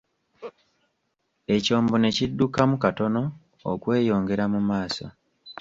Ekyombo ne kiddukamu katono okwenyongera mu maaso.